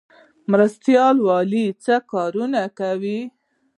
مرستیال والي څه کارونه کوي؟